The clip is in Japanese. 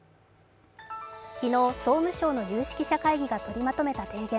昨日、総務省の有識者会議が取りまとめた提言。